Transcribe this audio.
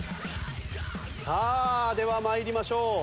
さあでは参りましょう。